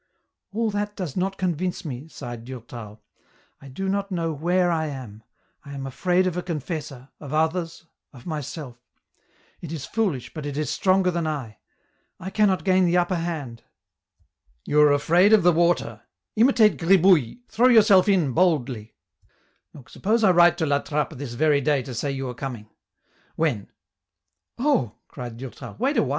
" All that does not convince me," sighed Durtal. " I do not know where I am ; I am afraid of a confessor, of others, of myself ; it is foolish, but it is stronger than I. I cannot gain the upper hand." " You are afraid of the water ; imitate Gribouille, throw yourself in boldly ; look, suppose I write to La Trappe this very day to say you are coming ; when ?"•' Oh !" cried Durtal, *' wait a while."